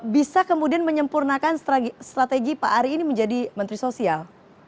bisa kemudian menyempurnakan strategi pak ari ini menjadi menteri sosial